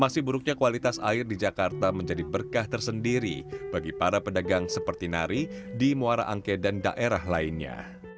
masih buruknya kualitas air di jakarta menjadi berkah tersendiri bagi para pedagang seperti nari di muara angke dan daerah lainnya